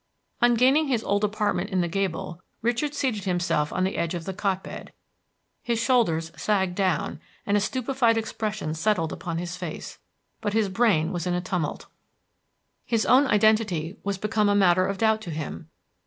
On gaining his old apartment in the gable, Richard seated himself on the edge of the cot bed. His shoulders sagged down and a stupefied expression settled upon his face, but his brain was in a tumult. His own identity was become a matter of doubt to him.